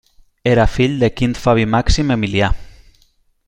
Era fill de Quint Fabi Màxim Emilià.